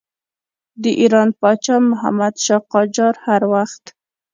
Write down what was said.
د ایران پاچا محمدشاه قاجار هر وخت.